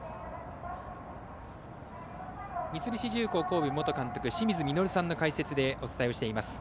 三菱重工神戸元監督の清水稔さんの解説でお伝えしています。